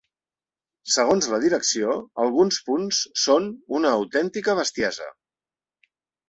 Segons la direcció, alguns punts són una ‘autèntica bestiesa’.